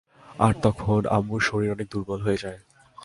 আর তখন আম্মুর শরীর অনেক দুর্বল হয়ে যায়।